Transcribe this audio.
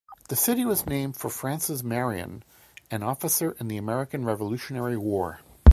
The city was named for Francis Marion, an officer in the American Revolutionary War.